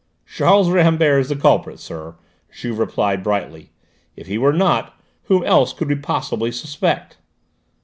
"Charles Rambert is the culprit, sir," Juve replied brightly. "If he were not, whom else could we possibly suspect?"